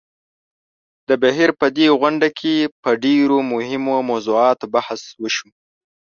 د بهېر په دې غونډه کې په ډېرو مهمو موضوعاتو بحث وشو.